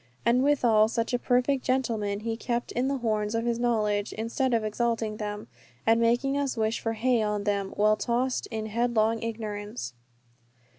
And withal such a perfect gentleman: he kept in the horns of his knowledge, instead of exalting them, and making us wish for hay on them, while tossed in headlong ignorance.